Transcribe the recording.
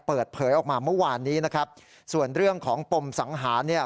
เปิดเผยออกมาเมื่อวานนี้นะครับส่วนเรื่องของปมสังหารเนี่ย